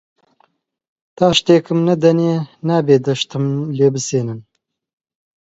تا شتێکم نەدەنێ نابێ دە شتم لێ بستێنن